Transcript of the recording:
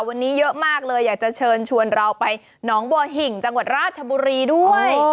วันนี้เยอะมากเลยอยากจะเชิญชวนเราไปหนองบัวหิ่งจังหวัดราชบุรีด้วย